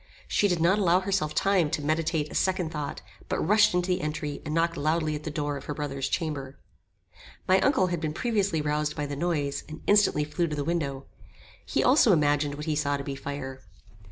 She did not allow herself time to meditate a second thought, but rushed into the entry and knocked loudly at the door of her brother's chamber. My uncle had been previously roused by the noise, and instantly flew to the window. He also imagined what he saw to be fire.